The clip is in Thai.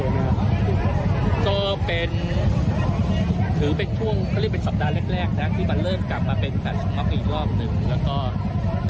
สำหรับผู้ชมนุมที่สร้างทางนี้สำหรับทางออกมาจะมีความรู้สึกที่จะประดับหลังหลัง